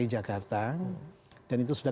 yogyakarta dan itu sudah